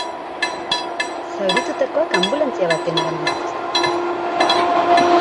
Zauritutakoak anbulantzia baten eraman dituzte.